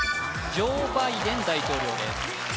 ジョー・バイデン大統領です